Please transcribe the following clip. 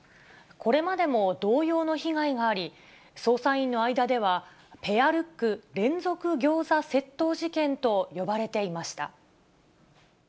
これまでも同様の被害があり、捜査員の間ではペアルック連続餃子窃盗事件と呼ばれていました。